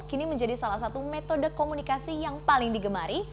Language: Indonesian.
kini menjadi salah satu metode komunikasi yang paling digemari